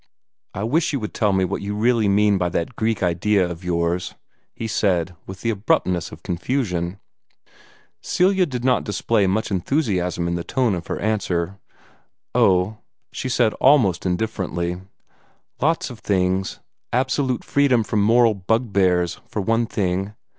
"I wish you would tell me what you really mean by that Greek idea of yours," he said with the abruptness of confusion. Celia did not display much enthusiasm in the tone of her answer. "Oh," she said almost indifferently, "lots of things. Absolute freedom from moral bugbears, for one thing.